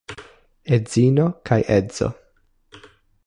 Edzino kaj edzo?